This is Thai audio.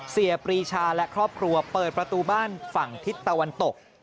ปรีชาและครอบครัวเปิดประตูบ้านฝั่งทิศตะวันตก